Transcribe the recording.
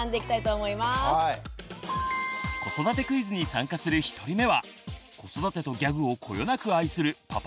子育てクイズに参加する１人目は子育てとギャグをこよなく愛するパパ